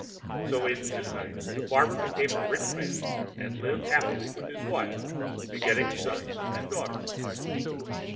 So in two nights the barber became a rich man, and lived happily with his wife begetting sons and daughters.